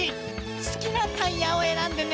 すきなタイヤをえらんでね。